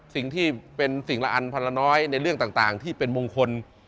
สิ่งที่เป็นสิ่งละอันพันละน้อยในเรื่องต่างที่เป็นมงคล